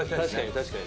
確かに。